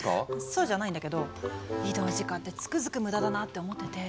そうじゃないんだけど移動時間ってつくづく無駄だなって思ってて。